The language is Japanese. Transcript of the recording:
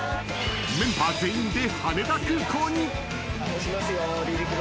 ［メンバー全員で］